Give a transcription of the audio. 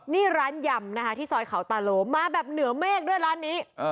นี่ร้านยำนะคะที่ซอยเขาตาโลมาแบบเหนือเมฆด้วยร้านนี้